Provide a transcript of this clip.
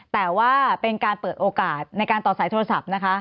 แต่ว่าเป็นการเปิดโอกาสในการต่อสายโทรศัพท์นะคะ